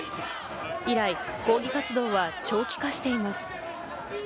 以来、抗議活動は長期化しています。